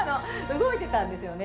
動いてたんですよね。